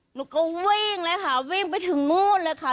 หนูก็วิ่งเลยค่ะวิ่งไปถึงนู่นเลยค่ะ